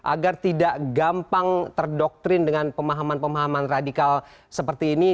agar tidak gampang terdoktrin dengan pemahaman pemahaman radikal seperti ini